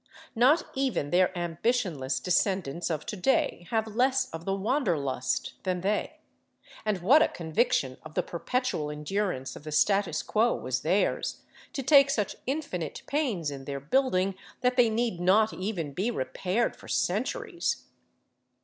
Not even their ambitionless descendants of to day have less of the wanderlust than they; and what a conviction of the perpetual endurance of the status quo was theirs, to take such infinite pains in their building that they need not even be repaired for centuries.